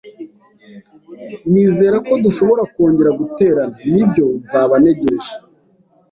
Nizere ko dushobora kongera guterana. Nibyo, nzaba ntegereje.